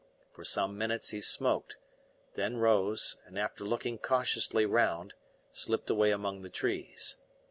For some minutes he smoked, then rose, and after looking cautiously round slipped away among the trees.